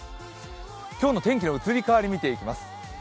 今日の天気の移り変わり、見ていきます。